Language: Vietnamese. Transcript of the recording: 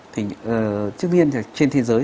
thì trước nhiên trên thế giới